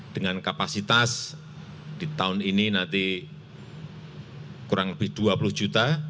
dengan kapasitas di tahun ini nanti kurang lebih dua puluh juta